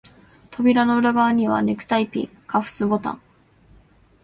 扉の裏側には、ネクタイピン、カフスボタン、